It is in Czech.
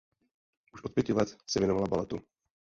Už od pěti let se věnovala baletu.